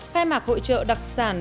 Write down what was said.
khai mạc hội trợ đặc sản